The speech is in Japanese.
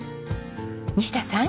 西田さん。